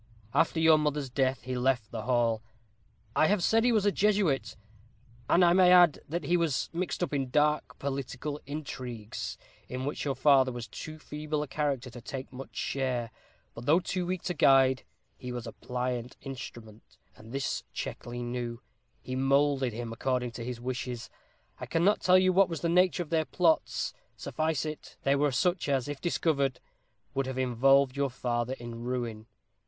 After your mother's death he left the hall. I have said he was a Jesuit, and I may add, that he was mixed up in dark political intrigues, in which your father was too feeble a character to take much share. But though too weak to guide, he was a pliant instrument, and this Checkley knew. He moulded him according to his wishes. I cannot tell you what was the nature of their plots. Suffice it, they were such as, if discovered, would have involved your father in ruin.